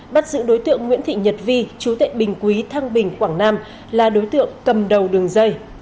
bắt giữ đối tượng nguyễn thị nhật vi chú tệ bình quý thăng bình quảng nam là đối tượng cầm đầu đường dây